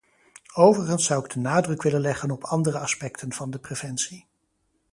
Overigens zou ik de nadruk willen leggen op andere aspecten van de preventie.